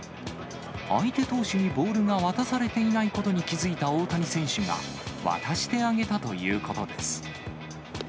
相手投手にボールが渡されていないことに気付いた大谷選手が渡してあげたということです。